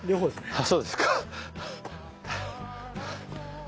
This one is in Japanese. あっそうですか。